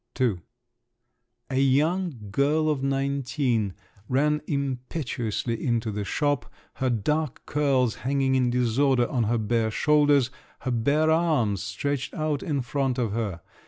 II A young girl of nineteen ran impetuously into the shop, her dark curls hanging in disorder on her bare shoulders, her bare arms stretched out in front of her.